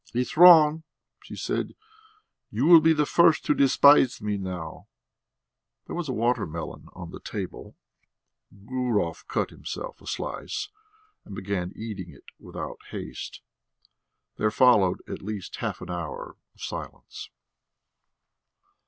"It's wrong," she said. "You will be the first to despise me now." There was a water melon on the table. Gurov cut himself a slice and began eating it without haste. There followed at least half an hour of silence.